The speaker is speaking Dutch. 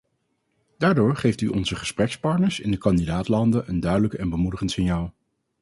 Daardoor geeft u onze gesprekspartners in de kandidaat-landen een duidelijk en bemoedigend signaal.